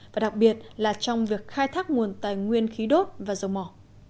và đặc biệt là trong việc khai thác nguồn tài nguyên khí đốt và dầu mỏ